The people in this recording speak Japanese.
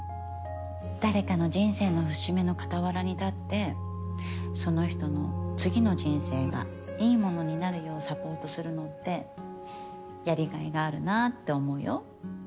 誰かの人生の節目の傍らに立ってその人の次の人生がいいものになるようサポートするのってやりがいがあるなって思うよ。